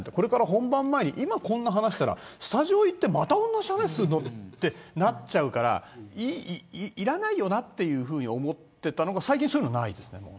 本番前に、今こんな話したらスタジオに行ってまた同じ話するのとなっちゃうからいらないよなというふうに思っていたのが最近、そういうのはないです。